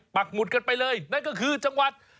หมุดกันไปเลยนั่นก็คือจังหวัด